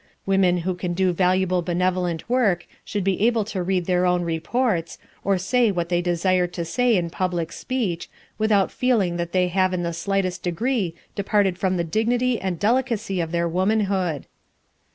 Women who can do valuable benevolent work should be able to read their own reports, or say what they desire to say in public speech, without feeling that they have in the slightest degree departed from the dignity and delicacy of their womanhood.